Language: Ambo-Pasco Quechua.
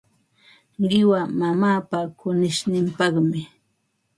Qiwa mamaapa kunishninpaqmi.